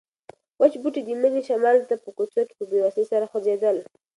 وچ بوټي د مني شمال ته په کوڅه کې په بې وسۍ سره خوځېدل.